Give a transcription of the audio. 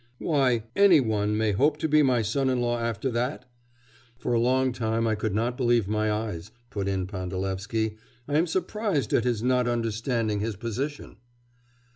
Why, any one may hope to be my son in law after that?' 'For a long time I could not believe my eyes,' put in Pandalevsky. 'I am surprised at his not understanding his position!